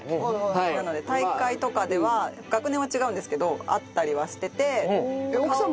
なので大会とかでは学年は違うんですけど会ったりはしてて。